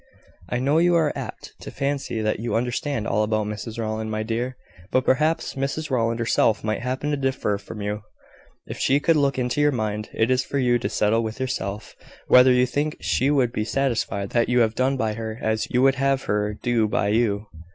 "I know you are apt to fancy that you understand all about Mrs Rowland, my dear; but perhaps Mrs Rowland herself might happen to differ from you, if she could look into your mind. It is for you to settle with yourself, whether you think she would be satisfied that you have done by her as you would have her do by you.